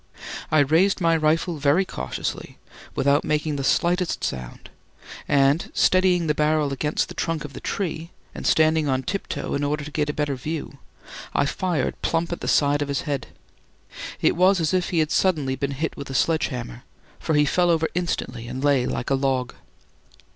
I raised my rifle very cautiously, without making the slightest sound, and steadying the barrel against the trunk of the tree and standing on tip toe in order to get a better view, I fired plump at the side of his head. It was as if he had suddenly been hit with a sledgehammer, for he fell over instantly and lay like a log.